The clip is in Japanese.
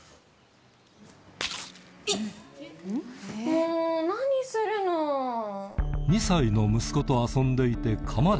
もう何するの！